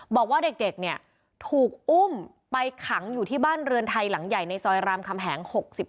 บอกว่าเด็กเนี่ยถูกอุ้มไปขังอยู่ที่บ้านเรือนไทยหลังใหญ่ในซอยรามคำแหง๖๗